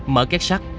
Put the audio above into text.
mở két sắt